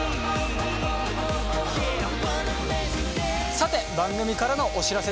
さて番組からのお知らせです。